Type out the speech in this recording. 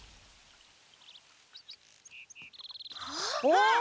あっ！